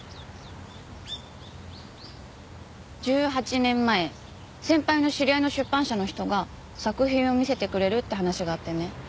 １８年前先輩の知り合いの出版社の人が作品を見てくれるって話があってね。